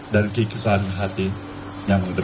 dan kekesan yang berharga